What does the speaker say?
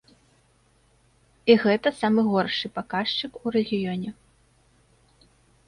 І гэта самы горшы паказчык у рэгіёне.